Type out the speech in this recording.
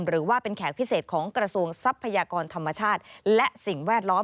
หรือว่าเป็นแขกพิเศษของกระทรวงทรัพยากรธรรมชาติและสิ่งแวดล้อม